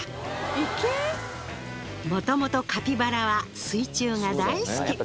元々カピバラは水中が大好き！